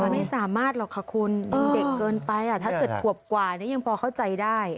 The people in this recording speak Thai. ไม่สามารถหรอกค่ะคุณเด็กเกินไปถ้าเกิดขวบกว่านี้ยังพอเข้าใจได้